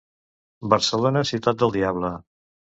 Barcelona, ciutat del diable.